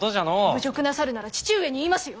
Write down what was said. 侮辱なさるなら父上に言いますよ！